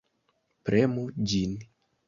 Premu ĝin.